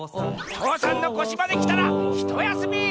父山のこしまできたらひとやすみ！